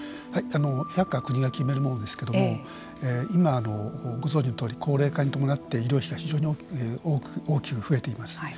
薬価は国が決めるものですけれども今、ご存じのとおり高齢化に伴って医療費が非常に大きく増えています。